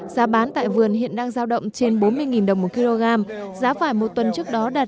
giá bán tại vườn hiện đang giao động trên bốn mươi đồng một kg giá vải một tuần trước đó đạt